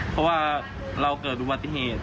เพราะว่าเราเกิดอุบัติเหตุ